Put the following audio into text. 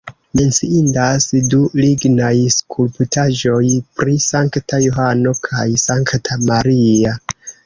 Menciindas du lignaj skulptaĵoj pri Sankta Johano kaj Sankta Maria.